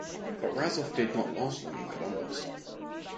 But Razov did not last long in Columbus.